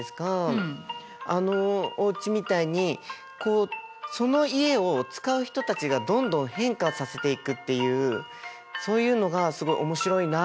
あのおうちみたいにこうその家を使う人たちがどんどん変化させていくっていうそういうのがすごい面白いなと思いました。